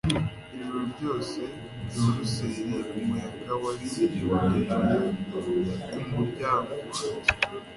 ijoro ryose i buruseli umuyaga wari winjiye ku muryango wanjye